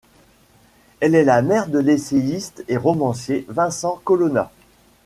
Elle est la mère de l'essayiste et romancier Vincent Colonna.